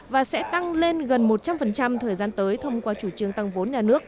và sẽ tăng lên gần một trăm linh thời gian tới thông qua chủ trương tăng vốn nhà nước